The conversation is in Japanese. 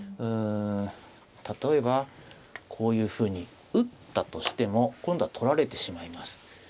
うん例えばこういうふうに打ったとしても今度は取られてしまいます。